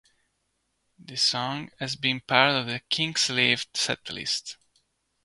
The song has been part of the Kinks' live setlist.